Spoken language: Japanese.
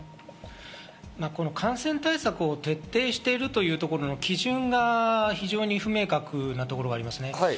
感染対策を徹底しているというところの基準が非常に不明確なところがありますね。